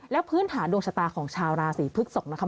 แล้วพื้นฐานดวงชะตาของชาวราศีพฤกษกนะครับ